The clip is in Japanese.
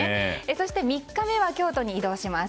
そして３日目は京都に移動します。